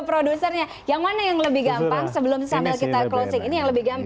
produsernya yang mana yang lebih gampang sebelumnya